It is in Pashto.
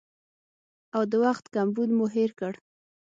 او د وخت کمبود مو هېر کړ